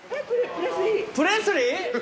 プレスリー。